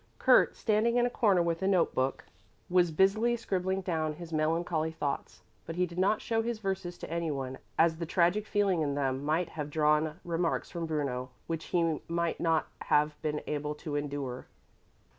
Kurt, standing in a corner with a note book, was busily scribbling down his melancholy thoughts, but he did not show his verses to anyone, as the tragic feeling in them might have drawn remarks from Bruno which he might not have been able to endure.